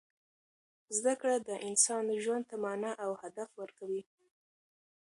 زده کړه د انسان ژوند ته مانا او هدف ورکوي.